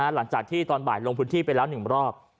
หลังจากที่ตอนบ่ายลงพื้นที่ไปแล้ว๑รอบ